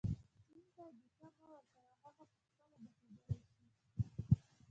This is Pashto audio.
سیند ته دیکه مه ورکوه هغه په خپله بهېدلی شي.